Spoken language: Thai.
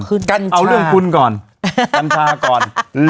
กัญชาก่อน